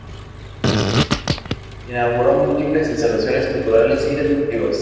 Inauguró múltiples ¡instalaciones culturales y deportivas.